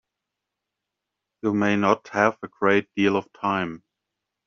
You may not have a great deal of time.